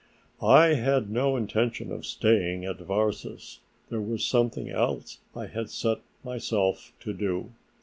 I had no intention of staying at Varses; there was something else I had set myself to do.